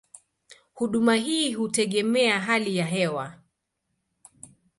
Huduma hii hutegemea hali ya hewa.